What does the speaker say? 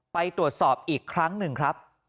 ไปตรวจสอบอีกครั้งหนึ่งครับ